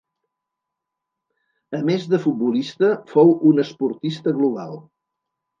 A més de futbolista fou un esportista global.